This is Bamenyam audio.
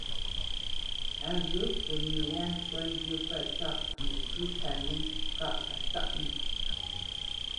Á ghyə̂ fwo nye yâ ntwá njyə́ pə̂ tâʼ nətsí kalə́ŋ kâʼ a sáʼnə̄.